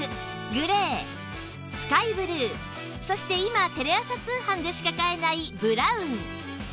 グレースカイブルーそして今テレ朝通販でしか買えないブラウン